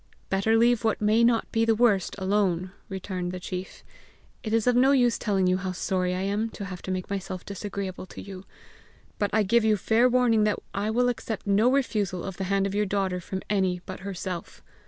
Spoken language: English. "Better leave what may not be the worst alone!" returned the chief. "It is of no use telling you how sorry I am to have to make myself disagreeable to you; but I give you fair warning that I will accept no refusal of the hand of your daughter from any but herself.